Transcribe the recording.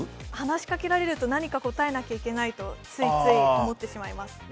話しかけられると何か答えなくてはいけないとついつい考えてしまいます。